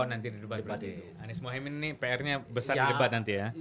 anies muhaimin nih pr nya besar di debat nanti ya